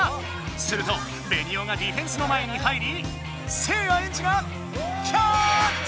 ⁉するとベニオがディフェンスの前に入りせいやエンジがキャーッチ！